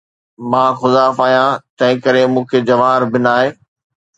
مان خزاف آهيان، تنهن ڪري مون کي جواهر بڻاءِ